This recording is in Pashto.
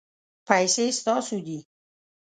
پیسې ستاسو دي